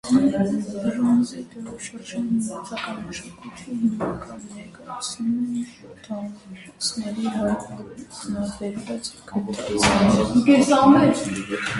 Բրոնզի դարաշրջանի նյութական մշակույթը հիմնականում ներկայացնում են դամբարաններից հայտնաբերված գտածոները։